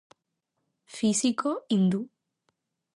Físico hindú.